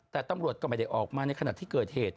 แต่ตำรวจก็ไม่ได้ออกมาในขณะที่เกิดเหตุ